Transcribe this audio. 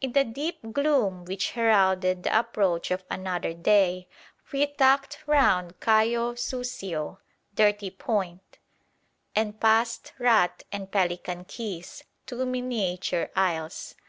In the deep gloom which heralded the approach of another day we tacked round Cayo Sucio (Dirty Point) and passed Rat and Pelican Keys, two miniature isles.